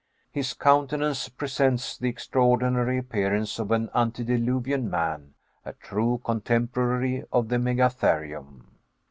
His countenance presents the extraordinary appearance of an antediluvian man, a true contemporary of the Megatherium.